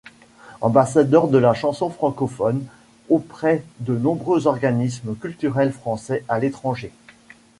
Ambassadeur de la chanson francophone auprès de nombreux organismes culturels français à l'étranger.